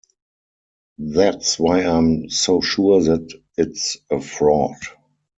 That's why I'm so sure that it's a fraud.